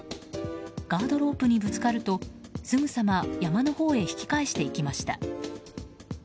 ガードロープにぶつかるとすぐさま山のほうへ引き返していきました。